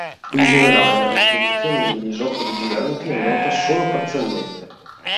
In generale, la distribuzione degli isopodi giganti è nota solo parzialmente.